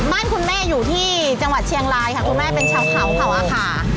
บ้านคุณแม่อยู่ที่จังหวัดเชียงรายค่ะคุณแม่เป็นชาวเขาเผาอาคา